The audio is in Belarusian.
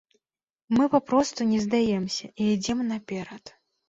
Мы папросту не здаемся і ідзём наперад.